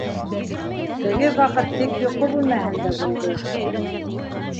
Теге ваҡыт тик йоҡо бүлмәһендә булды...